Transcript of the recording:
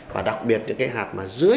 và đặc biệt những cái hạt mà dưới hai năm